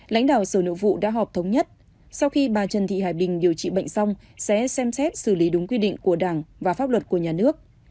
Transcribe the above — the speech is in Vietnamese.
lãnh đạo sở nội vụ đã họp thống nhất sau khi bà trần thị hải bình điều trị bệnh xong sẽ xem xét xử lý đúng quy định của đảng và pháp luật của nhà nước